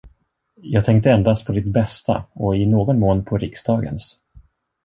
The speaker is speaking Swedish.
Jag tänkte endast på ditt bästa och i någon mån på riksdagens.